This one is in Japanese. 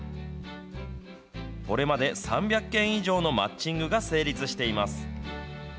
これまで３００件以上のマッチングが成立しています。